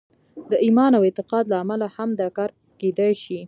د ایمان او اعتقاد له امله هم دا کار کېدای شي